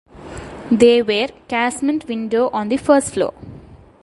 There were casement windows on the first floor.